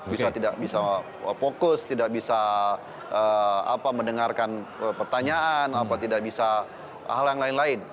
bisa tidak bisa fokus tidak bisa mendengarkan pertanyaan apa tidak bisa hal yang lain lain